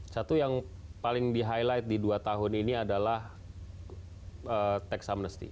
satu yang paling di highlight di dua tahun ini adalah tax amnesty